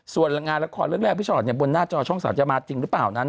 ส่วนงานละครเรื่องแรกพี่ชอตบนหน้าจอช่อง๓จะมาจริงหรือเปล่านั้น